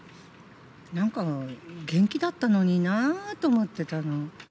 なんか元気だったのになあって思ってたの。